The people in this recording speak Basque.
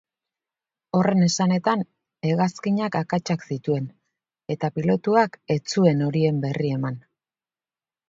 Horren esanetan, hegazkinak akatsak zituen eta pilotuak ez zuen horien berri eman.